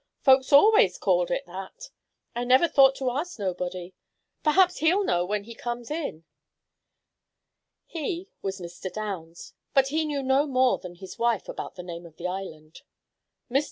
Folks always called it that. I never thought to ask nobody. Perhaps he'll know when he comes in." "He" was Mr. Downs; but he knew no more than his wife about the name of the island. Mr.